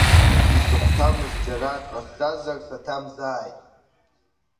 Исыхәҭамыз џьара ак ҟасҵазар, саҭамзааит…